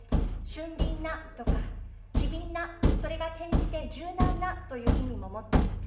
俊敏なとか、機敏な、それが転じて柔軟なという意味も持っています。